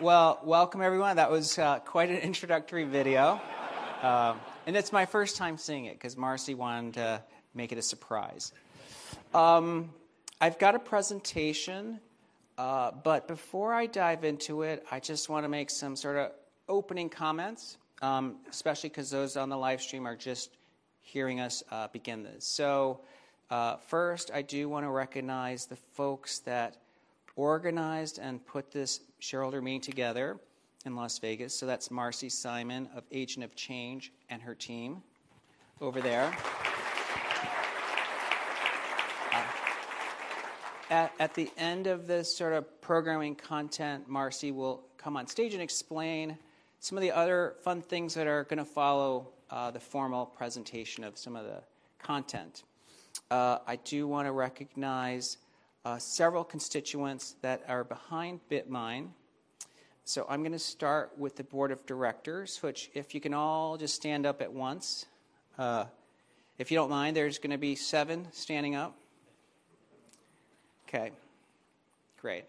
Well, welcome everyone. That was quite an introductory video. And it's my first time seeing it, 'cause Marcy wanted to make it a surprise. I've got a presentation, but before I dive into it, I just wanna make some sort of opening comments, especially 'cause those on the live stream are just hearing us begin this. So, first, I do wanna recognize the folks that organized and put this shareholder meeting together in Las Vegas. So that's Marcy Simon of Agent of Change and her team over there. At the end of this sort of programming content, Marcy will come on stage and explain some of the other fun things that are gonna follow the formal presentation of some of the content. I do wanna recognize several constituents that are behind BitMine. So I'm gonna start with the board of directors, which if you can all just stand up at once. If you don't mind, there's gonna be seven standing up. Okay, great.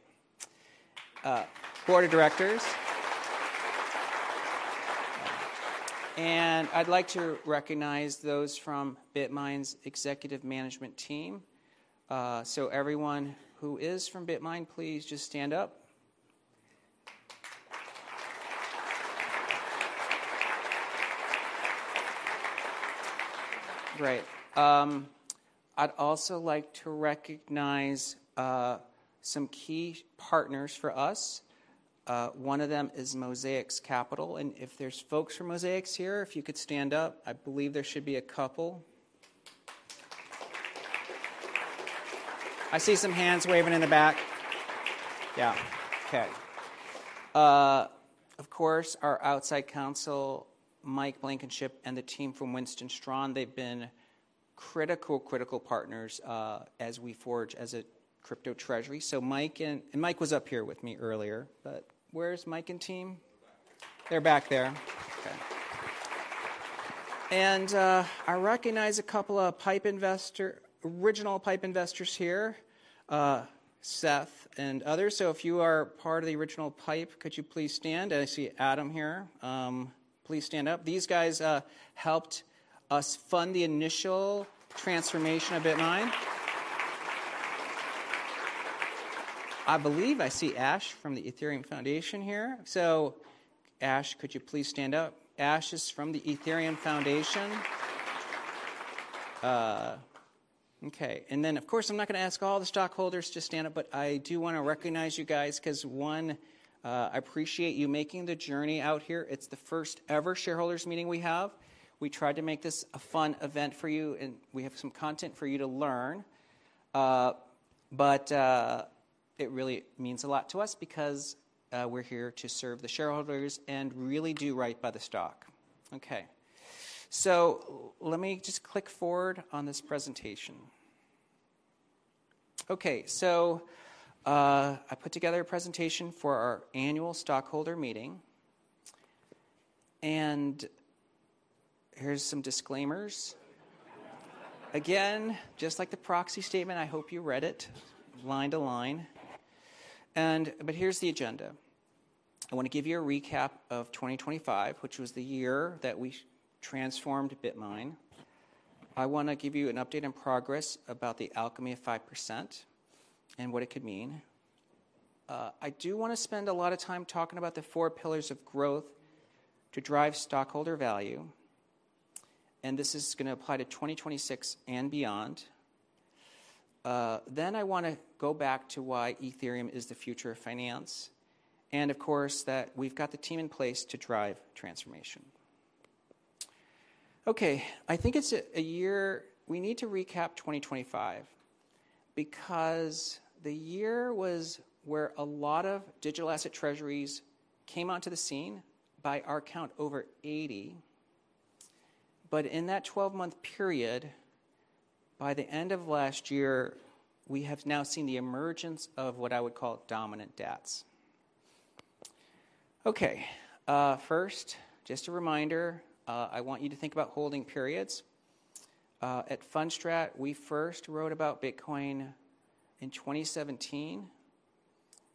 Board of directors. And I'd like to recognize those from BitMine's executive management team. So everyone who is from BitMine, please just stand up. Great. I'd also like to recognize some key partners for us. One of them is Mosaic Capital, and if there's folks from Mosaic here, if you could stand up. I believe there should be a couple. I see some hands waving in the back. Yeah. Okay. Of course, our outside counsel, Mike Blankenship, and the team from Winston & Strawn, they've been critical, critical partners as we forge as a crypto treasury. So Mike and-- and Mike was up here with me earlier, but where's Mike and team? They're back there. Okay. And, I recognize a couple of PIPE investor, original PIPE investors here, Seth and others. So if you are part of the original PIPE, could you please stand? And I see Adam here. Please stand up. These guys, helped us fund the initial transformation of BitMine. I believe I see Ash from the Ethereum Foundation here. So, Ash, could you please stand up? Ash is from the Ethereum Foundation. Okay, and then, of course, I'm not gonna ask all the stockholders to stand up, but I do wanna recognize you guys 'cause, one, I appreciate you making the journey out here. It's the first-ever shareholders meeting we have. We tried to make this a fun event for you, and we have some content for you to learn. But it really means a lot to us because we're here to serve the shareholders and really do right by the stock. Okay, so let me just click forward on this presentation. Okay, so I put together a presentation for our annual stockholder meeting, and here's some disclaimers. Again, just like the proxy statement, I hope you read it line to line. But here's the agenda. I wanna give you a recap of 2025, which was the year that we transformed BitMine. I wanna give you an update on progress about the Alchemy of 5% and what it could mean. I do wanna spend a lot of time talking about the four pillars of growth to drive stockholder value, and this is gonna apply to 2026 and beyond. Then I wanna go back to why Ethereum is the future of finance, and of course, that we've got the team in place to drive transformation. Okay, I think it's a year - we need to recap 2025 because the year was where a lot of digital asset treasuries came onto the scene, by our count, over 80. But in that 12-month period, by the end of last year, we have now seen the emergence of what I would call dominant DATs. Okay, first, just a reminder, I want you to think about holding periods. At Fundstrat, we first wrote about Bitcoin in 2017,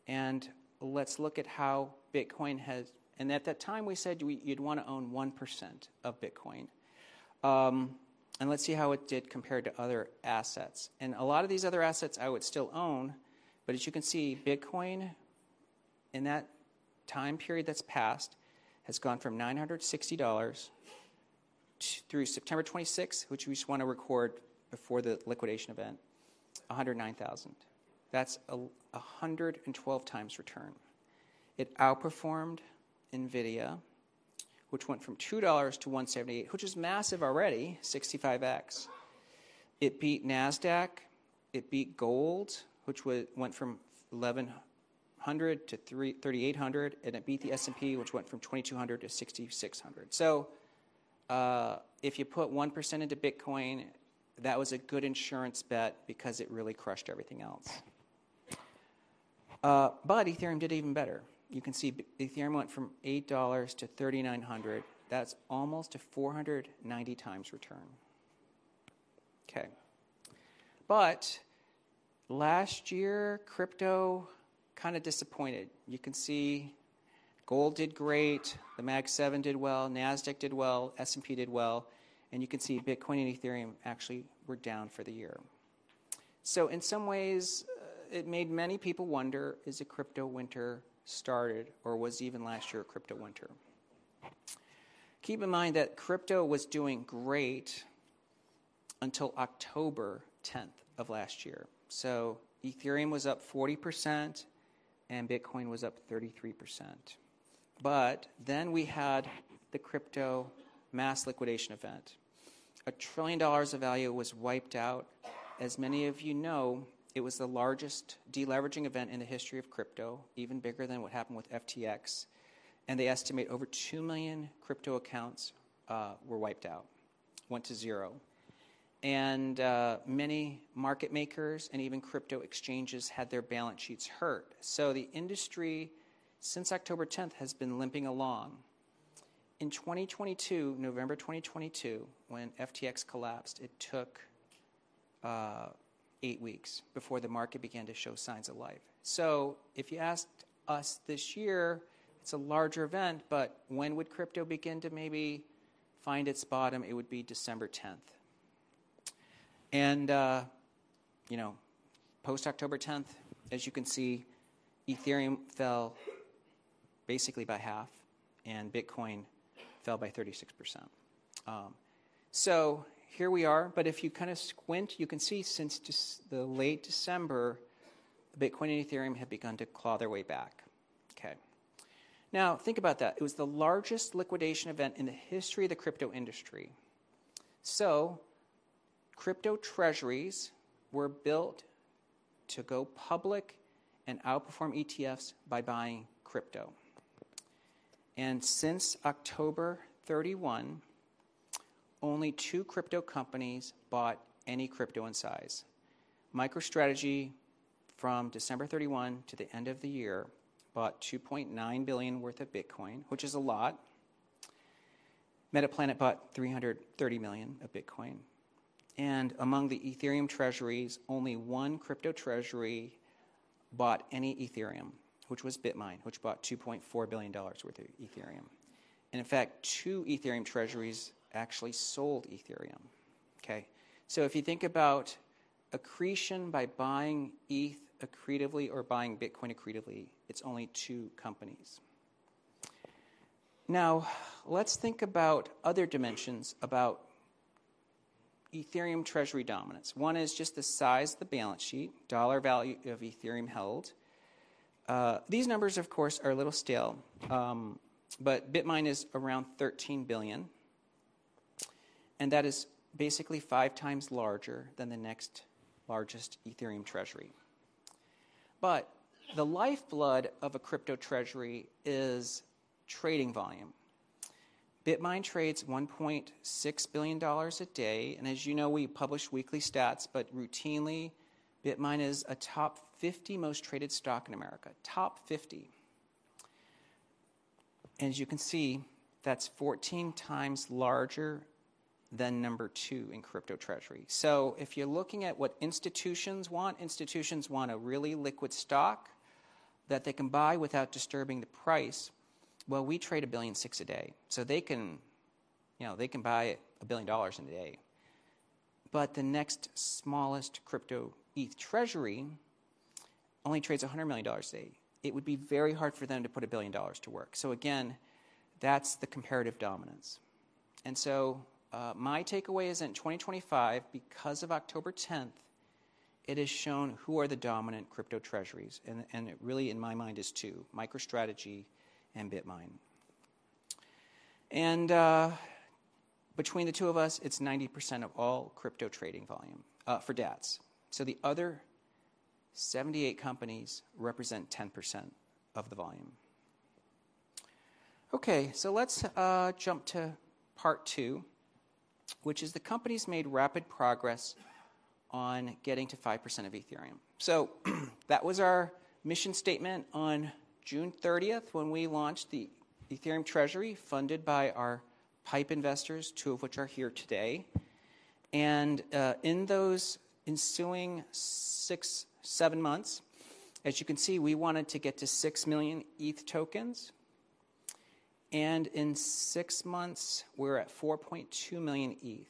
and let's look at how Bitcoin has... At that time, we said you'd wanna own 1% of Bitcoin. And let's see how it did compared to other assets. A lot of these other assets I would still own, but as you can see, Bitcoin, in that time period that's passed, has gone from $960 through September 26, which we just wanna record before the liquidation event, $109,000. That's a 112 times return. It outperformed NVIDIA, which went from $2-$178, which is massive already, 65x. It beat Nasdaq, it beat gold, which went from $1,100-$3,800, and it beat the S&P, which went from 2,200 to 6,600. So, if you put 1% into Bitcoin, that was a good insurance bet because it really crushed everything else. But Ethereum did even better. You can see Ethereum went from $8 to $3,900. That's almost a 490 times return. Okay. But last year, crypto kind of disappointed. You can see gold did great, the Mag Seven did well, Nasdaq did well, S&P did well, and you can see Bitcoin and Ethereum actually were down for the year. So in some ways, it made many people wonder, has a crypto winter started, or was even last year a crypto winter? Keep in mind that crypto was doing great until October 10th of last year. So Ethereum was up 40% and Bitcoin was up 33%. But then we had the crypto mass liquidation event. $1 trillion of value was wiped out. As many of you know, it was the largest de-leveraging event in the history of crypto, even bigger than what happened with FTX, and they estimate over 2 million crypto accounts were wiped out, went to zero. Many market makers and even crypto exchanges had their balance sheets hurt. So the industry, since October 10, has been limping along. In 2022, November 2022, when FTX collapsed, it took eight weeks before the market began to show signs of life. So if you asked us this year, it's a larger event, but when would crypto begin to maybe find its bottom? It would be December 10. And, you know, post-October 10, as you can see, Ethereum fell basically by half, and Bitcoin fell by 36%. So here we are, but if you kind of squint, you can see since late December, Bitcoin and Ethereum have begun to claw their way back. Okay. Now, think about that. It was the largest liquidation event in the history of the crypto industry. So crypto treasuries were built to go public and outperform ETFs by buying crypto. Since October 31, only two crypto companies bought any crypto in size. MicroStrategy, from December 31 to the end of the year, bought $2.9 billion worth of Bitcoin, which is a lot. Metaplanet bought $330 million of Bitcoin. And among the Ethereum treasuries, only one crypto treasury bought any Ethereum, which was BitMine, which bought $2.4 billion worth of Ethereum. And in fact, two Ethereum treasuries actually sold Ethereum, okay? So if you think about accretion by buying ETH accretively or buying Bitcoin accretively, it's only two companies. Now, let's think about other dimensions about Ethereum treasury dominance. One is just the size of the balance sheet, dollar value of Ethereum held. These numbers, of course, are a little stale, but BitMine is around $13 billion, and that is basically five times larger than the next largest Ethereum treasury. But the lifeblood of a crypto treasury is trading volume. BitMine trades $1.6 billion a day, and as you know, we publish weekly stats, but routinely, BitMine is a top 50 most traded stock in America. Top 50. And as you can see, that's 14 times larger than number two in crypto treasury. So if you're looking at what institutions want, institutions want a really liquid stock that they can buy without disturbing the price. Well, we trade $1.6 billion a day, so they can, you know, they can buy $1 billion in a day. But the next smallest crypto ETH treasury only trades $100 million a day. It would be very hard for them to put $1 billion to work. So again, that's the comparative dominance. And so, my takeaway is in 2025, because of October 10th, it has shown who are the dominant crypto treasuries, and, and it really, in my mind, is two, MicroStrategy and BitMine. And, between the two of us, it's 90% of all crypto trading volume, for DATS. So the other 78 companies represent 10% of the volume. Okay, so let's jump to part two, which is the company's made rapid progress on getting to 5% of Ethereum. So that was our mission statement on June 30th, when we launched the Ethereum treasury, funded by our PIPE investors, two of which are here today. In those ensuing six, seven months, as you can see, we wanted to get to 6 million ETH tokens, and in 6 months, we're at 4.2 million ETH.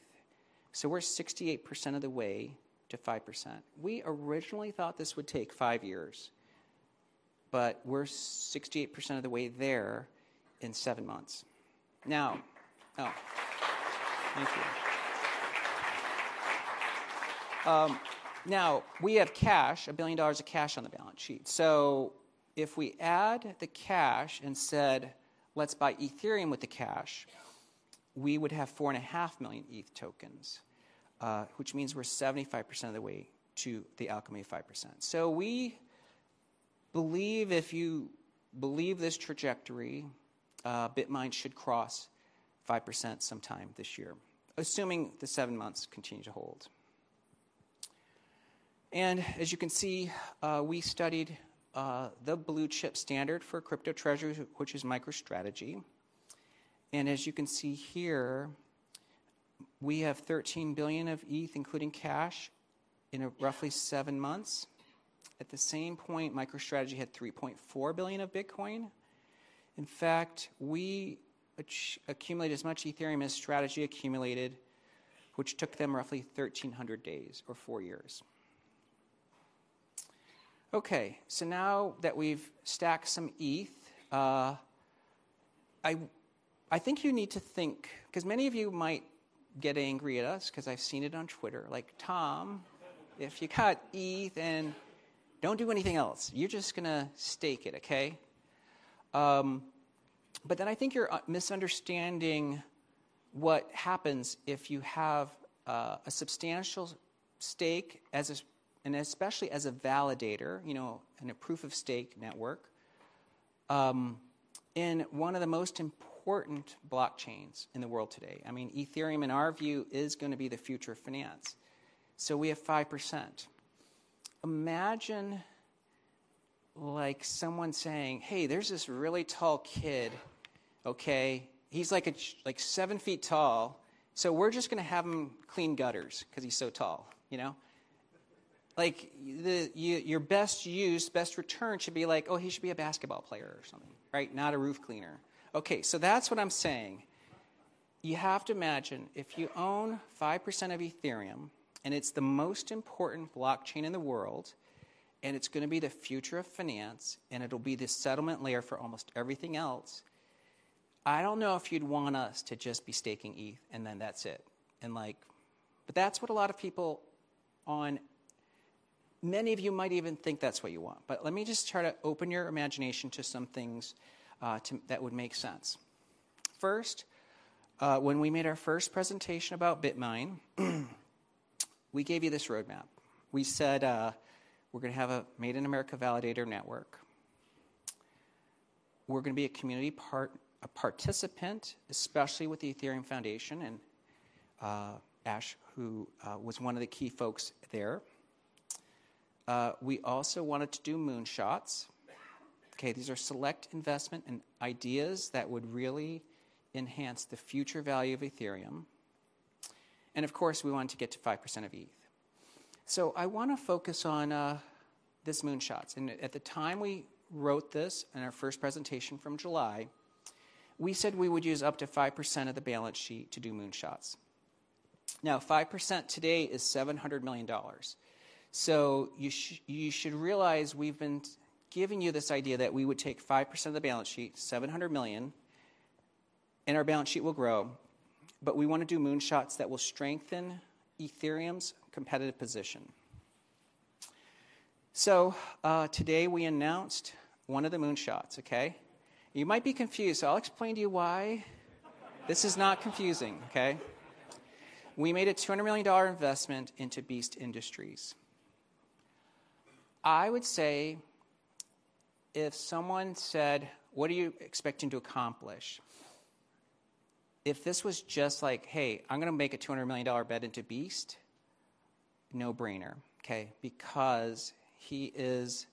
So we're 68% of the way to 5%. We originally thought this would take 5 years, but we're 68% of the way there in seven months. Now... Oh, thank you. Now, we have cash, $1 billion of cash on the balance sheet. So if we add the cash and said, "Let's buy Ethereum with the cash," we would have 4.5 million ETH tokens, which means we're 75% of the way to the alchemy of 5%. So we believe if you believe this trajectory... BitMine should cross 5% sometime this year, assuming the seven months continue to hold. As you can see, we studied the blue-chip standard for crypto treasury, which is MicroStrategy. As you can see here, we have $13 billion of ETH, including cash, in roughly 7 months. At the same point, MicroStrategy had $3.4 billion of Bitcoin. In fact, we accumulated as much Ethereum as MicroStrategy accumulated, which took them roughly 1,300 days or 4 years. Okay, so now that we've stacked some ETH, I think you need to think—'cause many of you might get angry at us, 'cause I've seen it on Twitter. Like, "Tom, if you got ETH, then don't do anything else. You're just gonna stake it, okay? But then I think you're misunderstanding what happens if you have a substantial stake as a-- and especially as a validator, you know, in a proof of stake network, in one of the most important blockchains in the world today. I mean, Ethereum, in our view, is gonna be the future of finance. So we have 5%. Imagine, like, someone saying, 'Hey, there's this really tall kid, okay? He's, like, seven feet tall, so we're just gonna have him clean gutters 'cause he's so tall,' you know? Like, your best use, best return should be like: 'Oh, he should be a basketball player or something, right? Not a roof cleaner.' Okay, so that's what I'm saying. You have to imagine, if you own 5% of Ethereum, and it's the most important blockchain in the world, and it's gonna be the future of finance, and it'll be the settlement layer for almost everything else, I don't know if you'd want us to just be staking ETH, and then that's it. And, like, but that's what a lot of people. Many of you might even think that's what you want, but let me just try to open your imagination to some things that would make sense. First, when we made our first presentation about BitMine, we gave you this roadmap. We said, we're gonna have a made-in-America validator network. We're gonna be a community part, a participant, especially with the Ethereum Foundation and, Ash, who, was one of the key folks there. We also wanted to do moonshots. Okay, these are select investment and ideas that would really enhance the future value of Ethereum. Of course, we wanted to get to 5% of ETH. So I wanna focus on this moonshots, and at the time we wrote this in our first presentation from July, we said we would use up to 5% of the balance sheet to do moonshots. Now, 5% today is $700 million. So you should realize we've been giving you this idea that we would take 5% of the balance sheet, $700 million, and our balance sheet will grow, but we want to do moonshots that will strengthen Ethereum's competitive position. So today, we announced one of the moonshots, okay? You might be confused, so I'll explain to you why, this is not confusing, okay? We made a $200 million investment into Beast Industries. I would say if someone said, "What are you expecting to accomplish?" If this was just like: "Hey, I'm gonna make a $200 million bet into Beast," no-brainer, okay? Because he is...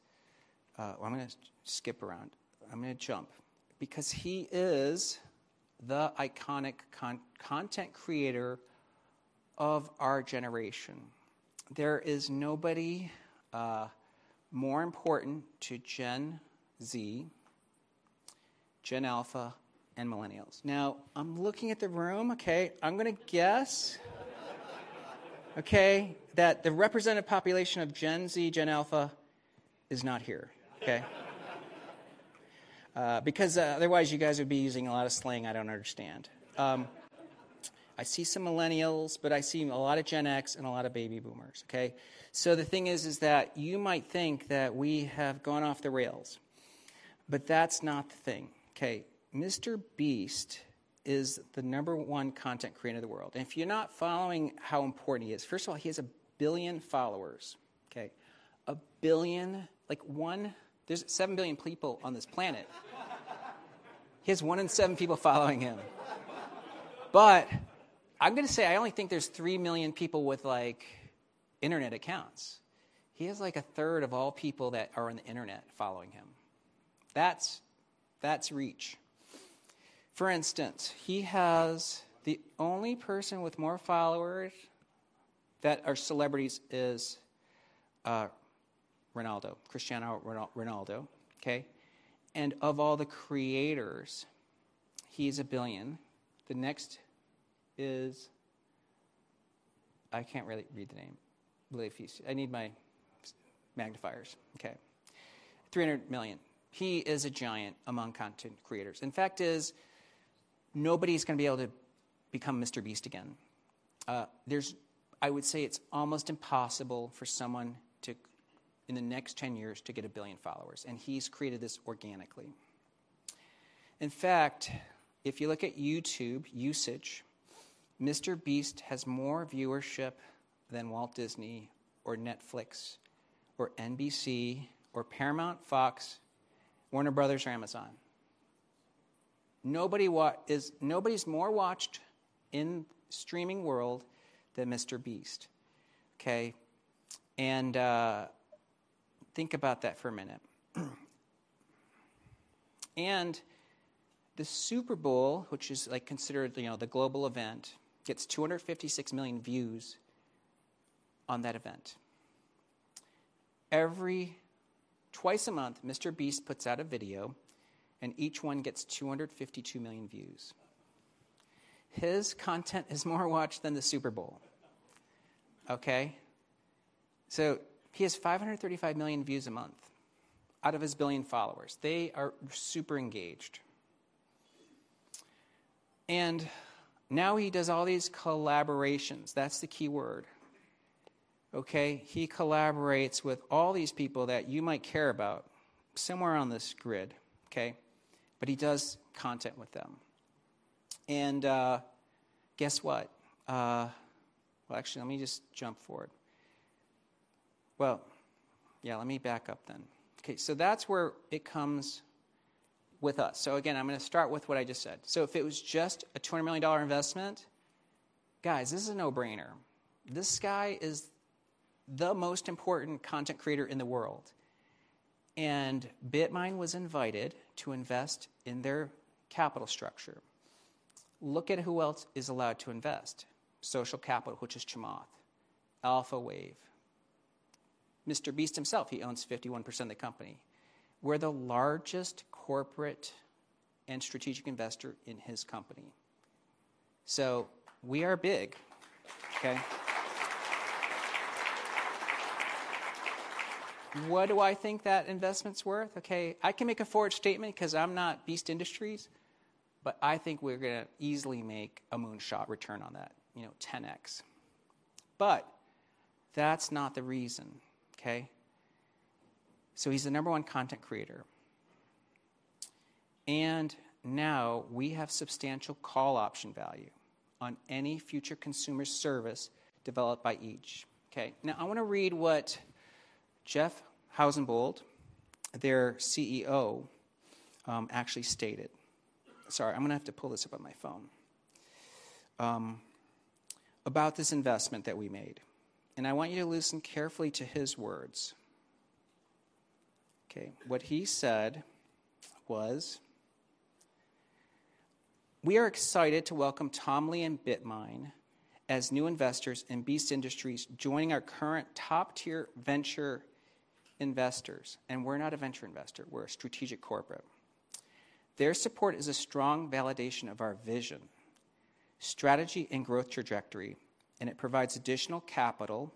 Well, I'm gonna skip around. I'm gonna jump. Because he is the iconic content creator of our generation. There is nobody more important to Gen Z, Gen Alpha, and Millennials. Now, I'm looking at the room. Okay, I'm gonna guess - okay, that the representative population of Gen Z, Gen Alpha is not here, okay? Because, otherwise, you guys would be using a lot of slang I don't understand. I see some Millennials, but I see a lot of Gen X and a lot of baby boomers, okay? So the thing is that you might think that we have gone off the rails, but that's not the thing. Okay, MrBeast is the number one content creator in the world, and if you're not following how important he is, first of all, he has 1 billion followers, okay? 1 billion, like one— There's seven billion people on this planet. He has one in seven people following him. But I'm gonna say I only think there's three million people with, like, internet accounts. He has, like, a third of all people that are on the internet following him. That's reach. For instance, he has the only person with more followers that are celebrities is Ronaldo, Cristiano Ronaldo, okay? And of all the creators, he has a billion. The next is... I can't really read the name. I believe he's— I need my magnifiers. Okay, 300 million. He is a giant among content creators, and fact is, nobody's gonna be able to become MrBeast again. There's I would say it's almost impossible for someone to, in the next 10 years, to get 1 billion followers, and he's created this organically. In fact, if you look at YouTube usage MrBeast has more viewership than Walt Disney or Netflix or NBC or Paramount, Fox, Warner Bros. or Amazon. Nobody is, nobody's more watched in streaming world than MrBeast, okay? And think about that for a minute. And the Super Bowl, which is like considered, you know, the global event, gets 256 million views on that event. Every twice a month, MrBeast puts out a video, and each one gets 252 million views. His content is more watched than the Super Bowl. Okay? So he has 535 million views a month out of his one billion followers. They are super engaged. And now he does all these collaborations. That's the key word, okay? He collaborates with all these people that you might care about, somewhere on this grid, okay? But he does content with them. And, guess what? Well, actually, let me just jump forward. Well, yeah, let me back up then. Okay, so that's where it comes with us. So again, I'm gonna start with what I just said. So if it was just a $200 million investment, guys, this is a no-brainer. This guy is the most important content creator in the world, and BitMine was invited to invest in their capital structure. Look at who else is allowed to invest: Social Capital, which is Chamath, Alpha Wave, MrBeast himself, he owns 51% of the company. We're the largest corporate and strategic investor in his company. So we are big, okay? What do I think that investment's worth? Okay, I can make a forward statement 'cause I'm not Beast Industries, but I think we're gonna easily make a moonshot return on that, you know, 10x. But that's not the reason, okay? So he's the number one content creator, and now we have substantial call option value on any future consumer service developed by each, okay? Now, I wanna read what Jeff Housenbold, their CEO, actually stated. Sorry, I'm gonna have to pull this up on my phone. About this investment that we made, and I want you to listen carefully to his words. Okay, what he said was, "We are excited to welcome Tom Lee and BitMine as new investors in Beast Industries, joining our current top-tier venture investors." And we're not a venture investor, we're a strategic corporate. "Their support is a strong validation of our vision, strategy, and growth trajectory, and it provides additional capital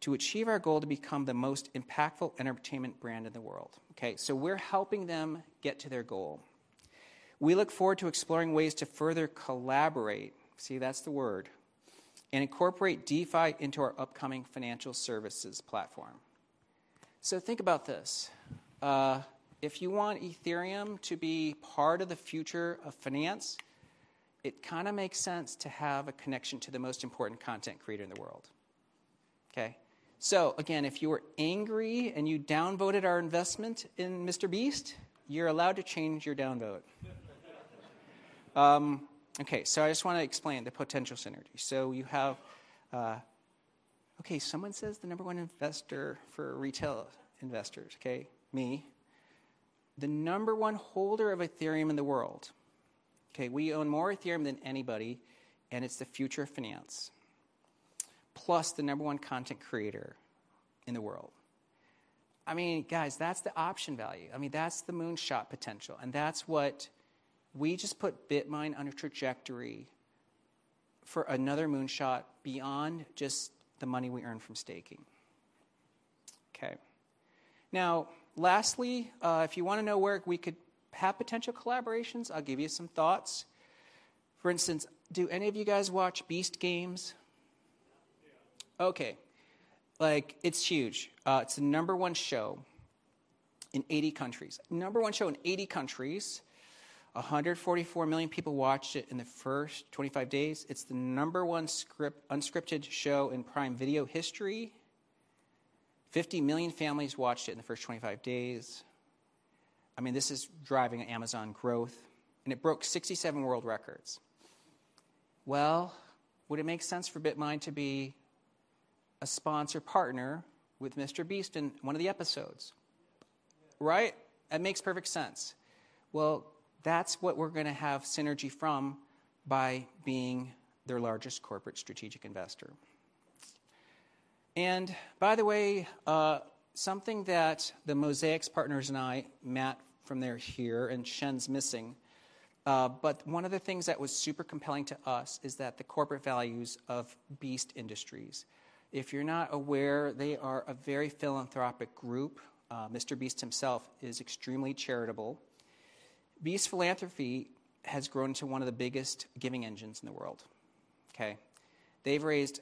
to achieve our goal to become the most impactful entertainment brand in the world." Okay, so we're helping them get to their goal. "We look forward to exploring ways to further collaborate," see, that's the word, "and incorporate DeFi into our upcoming financial services platform." So think about this, if you want Ethereum to be part of the future of finance, it kind of makes sense to have a connection to the most important content creator in the world, okay? So again, if you were angry and you downvoted our investment in MrBeast, you're allowed to change your down vote. Okay, so I just want to explain the potential synergy. So you have... Okay, someone says the number one investor for retail investors, okay, me. The number one holder of Ethereum in the world, okay? We own more Ethereum than anybody, and it's the future of finance, plus the number one content creator in the world. I mean, guys, that's the option value. I mean, that's the moonshot potential, and that's what we just put BitMine on a trajectory for another moonshot beyond just the money we earn from staking. Okay. Now, lastly, if you wanna know where we could have potential collaborations, I'll give you some thoughts. For instance, do any of you guys watch Beast Games? Yeah. Okay, like, it's huge. It's the number one show in 80 countries. Number one show in 80 countries. 144 million people watched it in the first 25 days. It's the number one scripted-unscripted show in Prime Video history. 50 million families watched it in the first 25 days. I mean, this is driving Amazon growth, and it broke 67 world records. Well, would it make sense for BitMine to be a sponsor partner with MrBeast in one of the episodes? Yeah. Right? That makes perfect sense. Well, that's what we're gonna have synergy from by being their largest corporate strategic investor. And by the way, something that the Mosaic partners and I, Matt from there here, and Shen's missing, but one of the things that was super compelling to us is that the corporate values of Beast Industries. If you're not aware, they are a very philanthropic group. MrBeast himself is extremely charitable. Beast Philanthropy has grown into one of the biggest giving engines in the world, okay? They've raised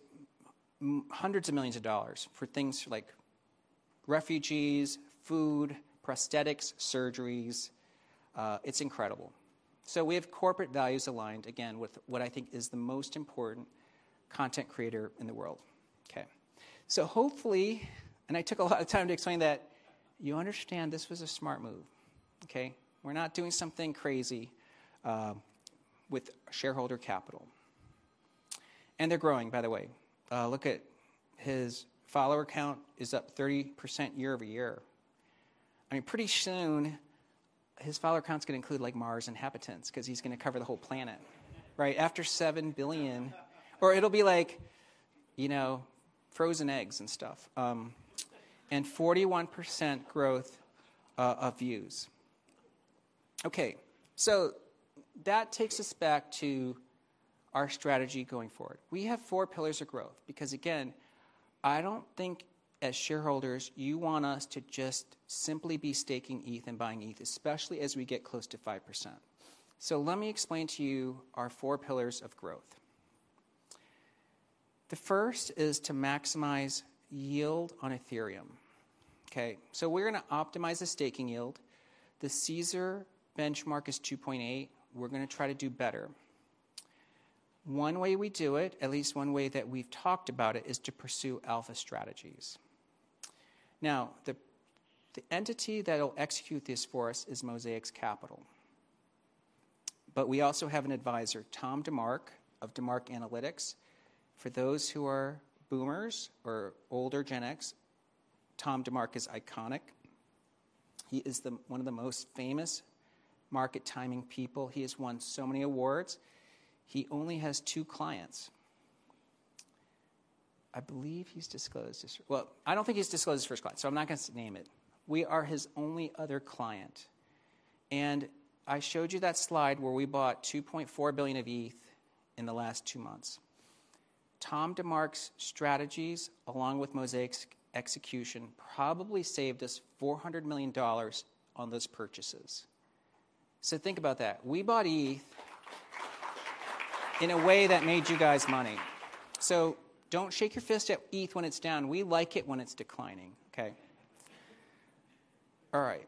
hundreds of millions of dollars for things like refugees, food, prosthetics, surgeries, it's incredible. So we have corporate values aligned, again, with what I think is the most important content creator in the world. Okay. So hopefully, and I took a lot of time to explain that, you understand this was a smart move, okay? We're not doing something crazy with shareholder capital. And they're growing, by the way. Look at his follower count is up 30% year-over-year. I mean, pretty soon, his follower count's gonna include, like, Mars inhabitants, 'cause he's gonna cover the whole planet, right? After seven billion- Or it'll be like, you know, frozen eggs and stuff. And 41% growth of views. Okay, so that takes us back to our strategy going forward. We have four pillars of growth because, again, I don't think, as shareholders, you want us to just simply be staking ETH and buying ETH, especially as we get close to 5%. So let me explain to you our four pillars of growth. The first is to maximize yield on Ethereum. Okay, so we're gonna optimize the staking yield. The CESR benchmark is 2.8. We're gonna try to do better. One way we do it, at least one way that we've talked about it, is to pursue alpha strategies. Now, the, the entity that'll execute this for us is Mosaic Capital, but we also have an advisor, Tom DeMark, of DeMark Analytics. For those who are boomers or older Gen X, Tom DeMark is iconic. He is the one of the most famous market timing people. He has won so many awards. He only has two clients. I believe he's disclosed his. Well, I don't think he's disclosed his first client, so I'm not gonna name it. We are his only other client, and I showed you that slide where we bought 2.4 billion of ETH in the last two months. Tom DeMark's strategies, along with Mosaic's execution, probably saved us $400 million on those purchases. So think about that. We bought ETH in a way that made you guys money. So don't shake your fist at ETH when it's down. We like it when it's declining, okay? All right,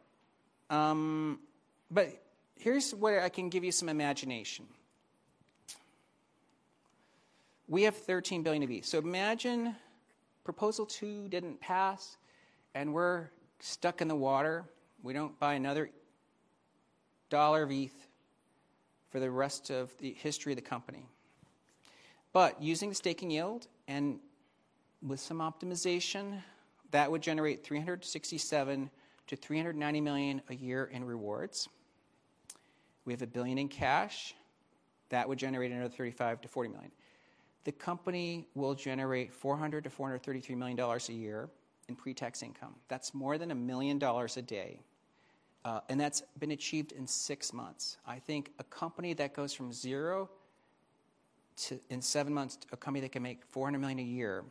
but here's where I can give you some imagination. We have 13 billion of ETH. So imagine Proposal 2 didn't pass, and we're stuck in the water. We don't buy another dollar of ETH for the rest of the history of the company. But using the staking yield and with some optimization, that would generate $367 million-$390 million a year in rewards. We have $1 billion in cash. That would generate another $35 million-$40 million. The company will generate $400 million-$433 million a year in pre-tax income. That's more than $1 million a day, and that's been achieved in six months. I think a company that goes from zero to, in seven months, a company that can make $400 million a year,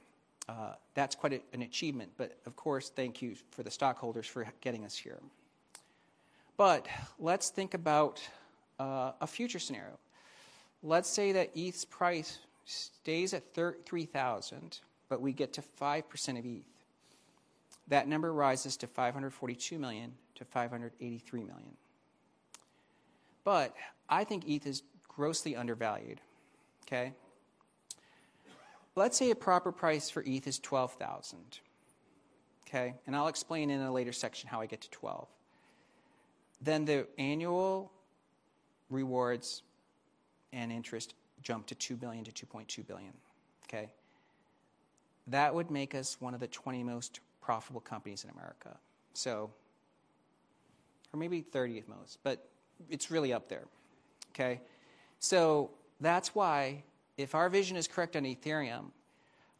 that's quite an achievement. But, of course, thank you for the stockholders for getting us here. But let's think about a future scenario. Let's say that ETH's price stays at 3,000, but we get to 5% of ETH. That number rises to $542 million-$583 million. But I think ETH is grossly undervalued, okay? Let's say a proper price for ETH is 12,000, okay? And I'll explain in a later section how I get to 12. Then the annual rewards and interest jump to $2 billion-$2.2 billion, okay? That would make us one of the 20 most profitable companies in America, so... Or maybe 30th most, but it's really up there, okay? So that's why, if our vision is correct on Ethereum,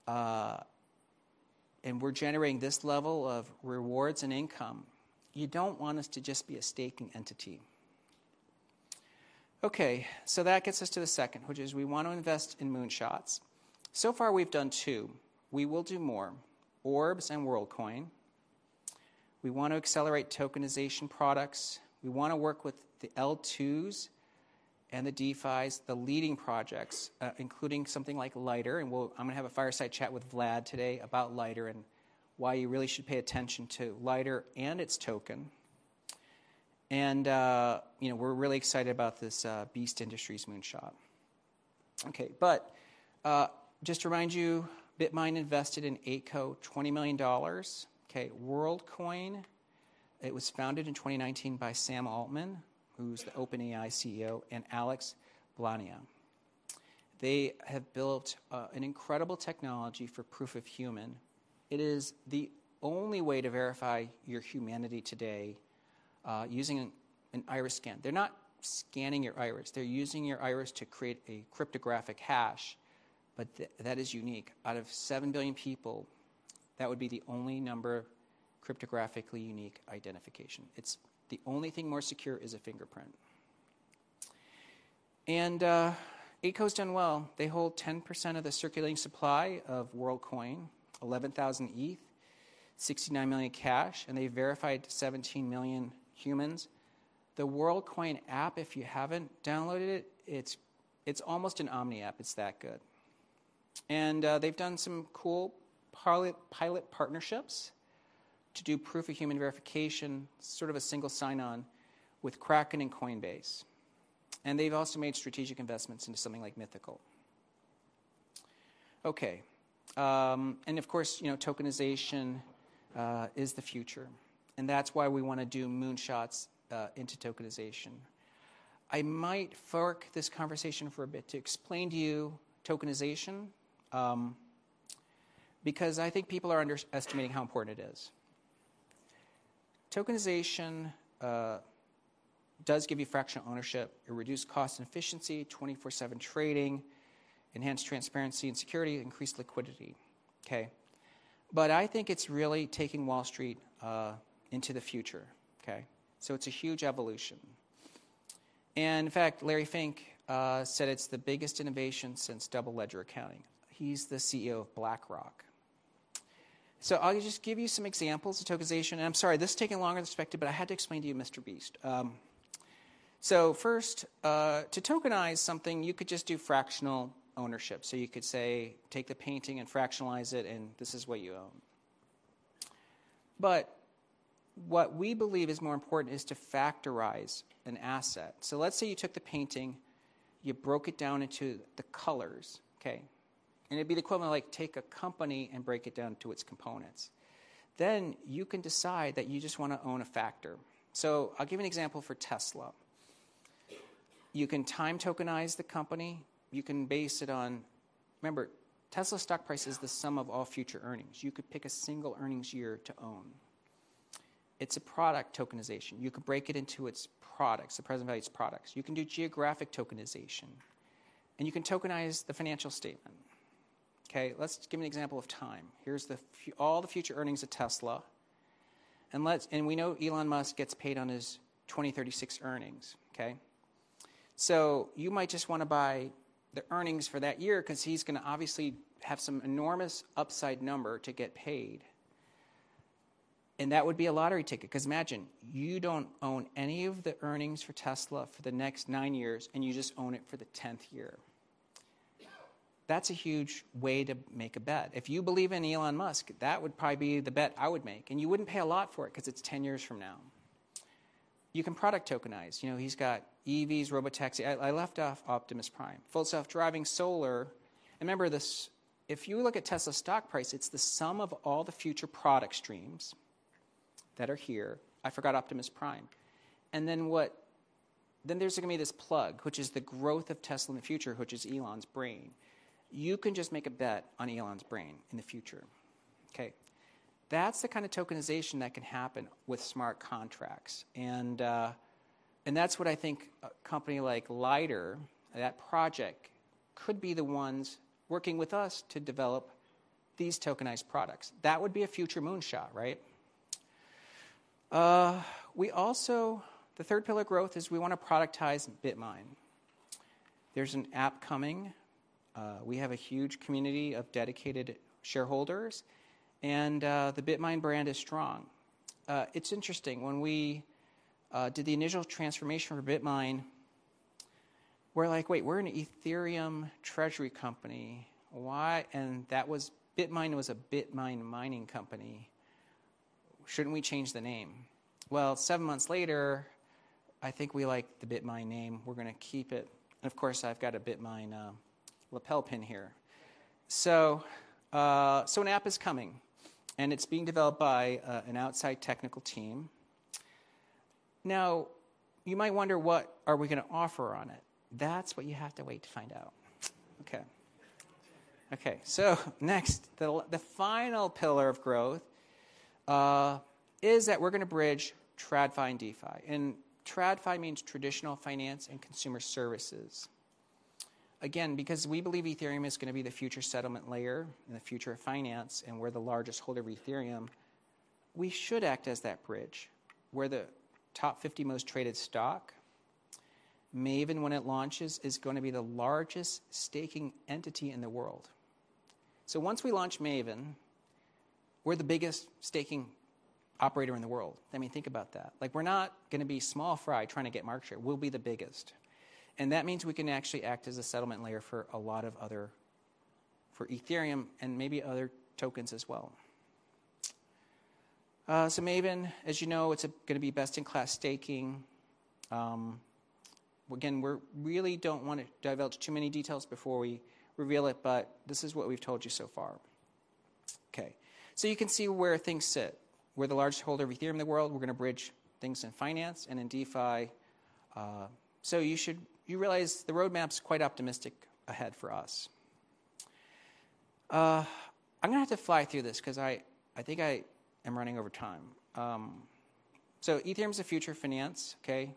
and we're generating this level of rewards and income, you don't want us to just be a staking entity. Okay, that gets us to the second, which is we want to invest in moonshots. So far, we've done two. We will do more. Orbs and Worldcoin. We want to accelerate tokenization products. We wanna work with the L2s and the DeFis, the leading projects, including something like Lighter. We'll-- I'm gonna have a fireside chat with Vlad today about Lighter and why you really should pay attention to Lighter and its token. You know, we're really excited about this Beast Industries moonshot. Okay, just to remind you, BitMine invested in Orbs $20 million. Worldcoin, it was founded in 2019 by Sam Altman, who's the OpenAI CEO, and Alex Blania. They have built an incredible technology for proof of human. It is the only way to verify your humanity today, using an iris scan. They're not scanning your iris. They're using your iris to create a cryptographic hash, but that is unique. Out of seven billion people, that would be the only number, cryptographically unique identification. It's the only thing more secure is a fingerprint. And Eightco's done well. They hold 10% of the circulating supply of Worldcoin, 11,000 ETH, $69 million in cash, and they've verified 17 million humans. The Worldcoin app, if you haven't downloaded it, it's almost an omni app. It's that good... and they've done some cool pilot partnerships to do proof of human verification, sort of a single sign-on with Kraken and Coinbase. And they've also made strategic investments into something like Mythical. Okay, and of course, you know, tokenization is the future, and that's why we wanna do moonshots into tokenization. I might fork this conversation for a bit to explain to you tokenization, because I think people are underestimating how important it is. Tokenization does give you fractional ownership. It reduced cost and efficiency, 24/7 trading, enhanced transparency and security, increased liquidity, okay? But I think it's really taking Wall Street into the future, okay? So it's a huge evolution. And in fact, Larry Fink said, "It's the biggest innovation since double ledger accounting." He's the CEO of BlackRock. So I'll just give you some examples of tokenization, and I'm sorry, this is taking longer than expected, but I had to explain to you Mr. Beast. So first, to tokenize something, you could just do fractional ownership. So you could say, take the painting and fractionalize it, and this is what you own. But what we believe is more important is to factorize an asset. So let's say you took the painting, you broke it down into the colors, okay? And it'd be the equivalent of, like, take a company and break it down to its components. Then you can decide that you just wanna own a factor. So I'll give you an example for Tesla. You can time tokenize the company. You can base it on... Remember, Tesla's stock price is the sum of all future earnings. You could pick a single earnings year to own. It's a product tokenization. You could break it into its products, the present value of its products. You can do geographic tokenization, and you can tokenize the financial statement. Okay, let's give an example of time. All the future earnings of Tesla, and we know Elon Musk gets paid on his 2036 earnings, okay? So you might just wanna buy the earnings for that year 'cause he's gonna obviously have some enormous upside number to get paid, and that would be a lottery ticket. 'Cause imagine, you don't own any of the earnings for Tesla for the next nine years, and you just own it for the tenth year. That's a huge way to make a bet. If you believe in Elon Musk, that would probably be the bet I would make, and you wouldn't pay a lot for it 'cause it's 10 years from now. You can product tokenize. You know, he's got EVs, Robotaxis. I left off Optimus Prime, Full Self-Driving solar. And remember, this, if you look at Tesla's stock price, it's the sum of all the future product streams that are here. I forgot Optimus Prime. Then there's gonna be this plug, which is the growth of Tesla in the future, which is Elon's brain. You can just make a bet on Elon's brain in the future, okay? That's the kind of tokenization that can happen with smart contracts, and, and that's what I think a company like Lido, that project, could be the ones working with us to develop these tokenized products. That would be a future moonshot, right? We also. The third pillar of growth is we wanna productize BitMine. There's an app coming. We have a huge community of dedicated shareholders, and, the BitMine brand is strong. It's interesting, when we did the initial transformation for BitMine, we're like: Wait, we're an Ethereum treasury company. Why? And that was, BitMine was a BitMine mining company. Shouldn't we change the name? Well, seven months later, I think we like the BitMine name. We're gonna keep it. And, of course, I've got a BitMine lapel pin here. So, an app is coming, and it's being developed by an outside technical team. Now, you might wonder, what are we gonna offer on it? That's what you have to wait to find out. Okay. Okay, so next, the final pillar of growth is that we're gonna bridge TradFi and DeFi. And TradFi means traditional finance and consumer services. Again, because we believe Ethereum is gonna be the future settlement layer and the future of finance, and we're the largest holder of Ethereum, we should act as that bridge. We're the top 50 most traded stock. Maven, when it launches, is gonna be the largest staking entity in the world. So once we launch Maven, we're the biggest staking operator in the world. I mean, think about that. Like, we're not gonna be small fry trying to get market share. We'll be the biggest, and that means we can actually act as a settlement layer for a lot of other, for Ethereum and maybe other tokens as well. So Maven, as you know, it's gonna be best-in-class staking. Again, we're really don't wanna dive into too many details before we reveal it, but this is what we've told you so far. Okay, so you can see where things sit. We're the largest holder of Ethereum in the world. We're gonna bridge things in finance and in DeFi. So you should, you realize the roadmap's quite optimistic ahead for us. I'm gonna have to fly through this 'cause I think I am running over time. So Ethereum's the future of finance, okay?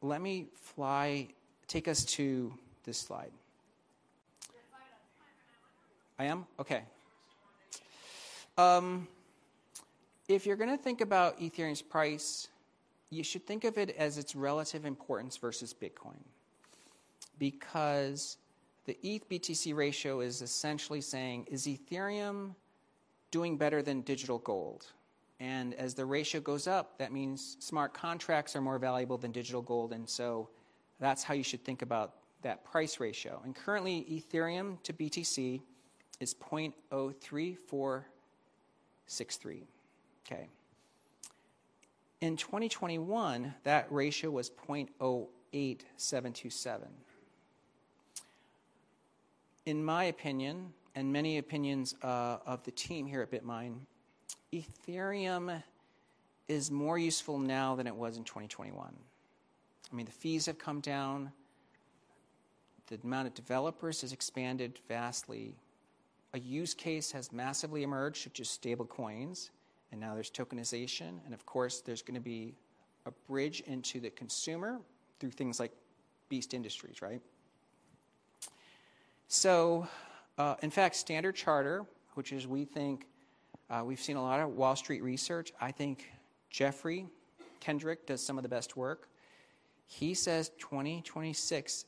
Let me fly, take us to this slide. You're five minutes. Five minute warning. I am? Okay. Five minute warning. If you're gonna think about Ethereum's price, you should think of it as its relative importance versus Bitcoin. Because the ETH-BTC ratio is essentially saying, is Ethereum doing better than digital gold. And as the ratio goes up, that means smart contracts are more valuable than digital gold, and so that's how you should think about that price ratio. Currently, Ethereum to BTC is 0.03463. Okay. In 2021, that ratio was 0.08727. In my opinion, and many opinions, of the team here at BitMine, Ethereum is more useful now than it was in 2021. I mean, the fees have come down, the amount of developers has expanded vastly. A use case has massively emerged, which is stable coins, and now there's tokenization, and of course, there's gonna be a bridge into the consumer through things like Beast Industries, right? So, in fact, Standard Chartered, which is, we think, we've seen a lot of Wall Street research. I think Geoffrey Kendrick does some of the best work. He says 2026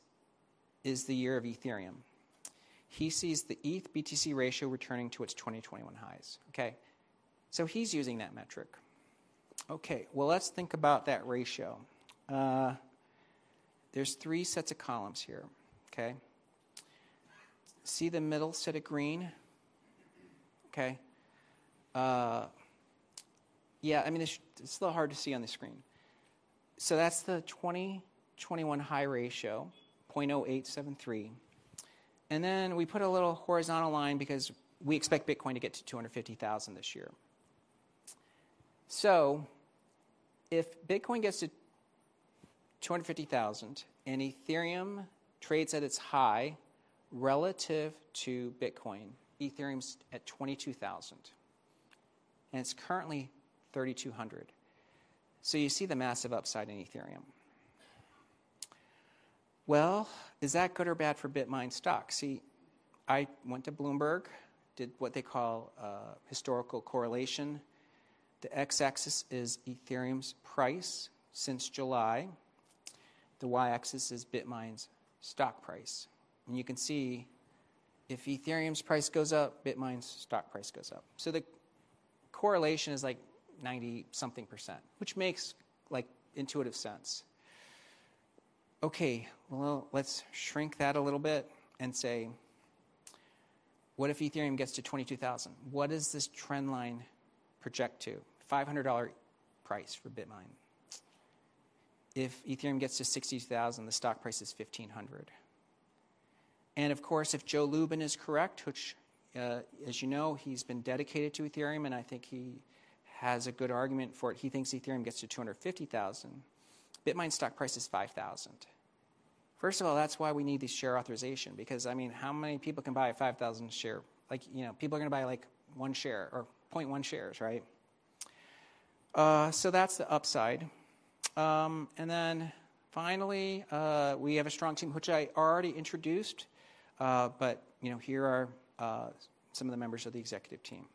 is the year of Ethereum. He sees the ETH-BTC ratio returning to its 2021 highs. Okay, so he's using that metric. Okay, well, let's think about that ratio. There's three sets of columns here, okay? See the middle set of green? Okay. Yeah, I mean, it's a little hard to see on the screen. So that's the 2021 high ratio, 0.0873. And then we put a little horizontal line because we expect Bitcoin to get to $250,000 this year. So if Bitcoin gets to $250,000, and Ethereum trades at its high relative to Bitcoin, Ethereum's at $22,000, and it's currently $3,200. So you see the massive upside in Ethereum. Well, is that good or bad for BitMine stock? See, I went to Bloomberg, did what they call a historical correlation. The X-axis is Ethereum's price since July. The Y-axis is BitMine's stock price. You can see if Ethereum's price goes up, BitMine's stock price goes up. So the correlation is, like, 90-something percent, which makes, like, intuitive sense. Okay, well, let's shrink that a little bit and say, what if Ethereum gets to 22,000? What does this trend line project to? $500 price for BitMine. If Ethereum gets to 60,000, the stock price is $1,500. And of course, if Joe Lubin is correct, which, as you know, he's been dedicated to Ethereum, and I think he has a good argument for it. He thinks Ethereum gets to 250,000, BitMine stock price is $5,000. First of all, that's why we need the share authorization, because, I mean, how many people can buy a $5,000 share? Like, you know, people are gonna buy, like, one share or 0.1 shares, right? So that's the upside. And then finally, we have a strong team, which I already introduced, but, you know, here are some of the members of the executive team.